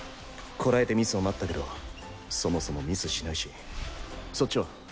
こらえてミスを待ったけどそもそもミスしないしそっちは？